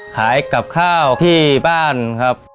ขายกับข้าวที่บ้านครับ